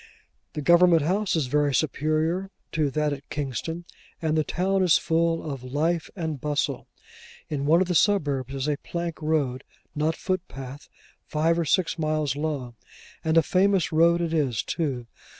The Government House is very superior to that at Kingston, and the town is full of life and bustle. In one of the suburbs is a plank road—not footpath—five or six miles long, and a famous road it is too.